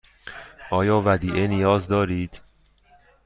آیا ودیعه نیاز دارید؟